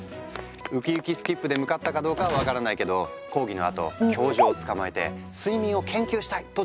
ウキウキスキップで向かったかどうかは分からないけど講義のあと教授をつかまえて「睡眠を研究したい！」とじか談判。